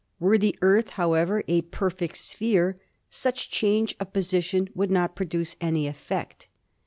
Were the Earth, however, a perfect sphere such change of position would not produce any effect.